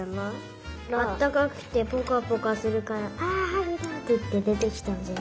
あったかくてポカポカするから「あはるだ」っていってでてきたんじゃない？